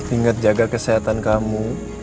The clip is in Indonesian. ingat jaga kesehatan kamu